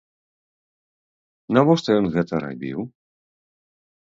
Навошта ён гэта рабіў?